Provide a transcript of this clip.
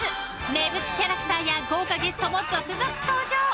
名物キャラクターや豪華ゲストも続々登場。